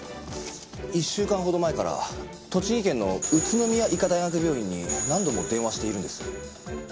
１週間ほど前から栃木県の宇都宮医科大学病院に何度も電話しているんです。